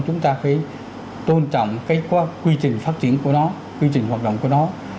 chúng ta phải tôn trọng cái quy trình phát triển của nó quy trình hoạt động của nó